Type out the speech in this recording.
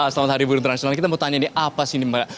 selamat hari buru internasional kita mau tanya nih apa sih ini mbak